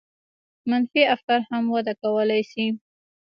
منفي افکار هم وده کولای شي.